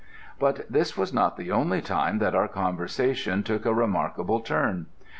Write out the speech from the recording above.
"But this was not the only time that our conversation took a remarkable turn.